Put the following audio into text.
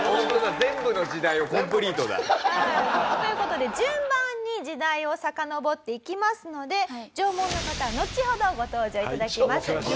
全部の時代をコンプリートだ。という事で順番に時代をさかのぼっていきますので縄文の方はのちほどご登場頂きます。